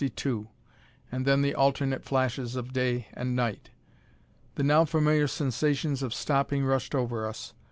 And then the alternate flashes of day and night. The now familiar sensations of stopping rushed over us.